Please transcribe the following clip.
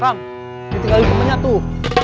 ketiga hukumnya tuh